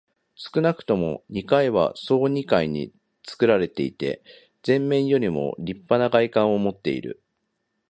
少なくとも二階は総二階につくられていて、前面よりもりっぱな外観をもっている。